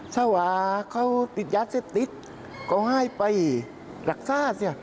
ชาวาเขาติดยานเสพติดก็ให้ไปรักษา